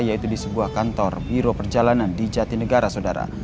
yaitu di sebuah kantor biro perjalanan di jatinegara sodara